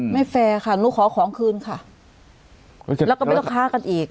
แฟร์ค่ะหนูขอของคืนค่ะแล้วก็ไม่ต้องค้ากันอีก